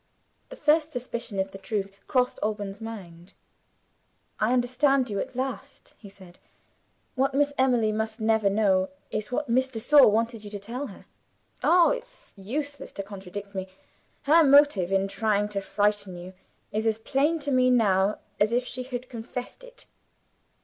The first suspicion of the truth crossed Alban's mind. "I understand you at last," he said. "What Miss Emily must never know is what Miss de Sor wanted you to tell her. Oh, it's useless to contradict me! Her motive in trying to frighten you is as plain to me now as if she had confessed it.